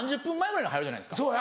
３０分前ぐらいに入るじゃないですか。